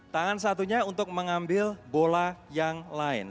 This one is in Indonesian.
tangan satunya untuk mengambil bola yang lain